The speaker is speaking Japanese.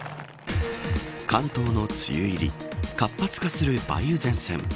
関東の梅雨入り活発化する梅雨前線。